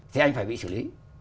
thì anh phải bị xử lý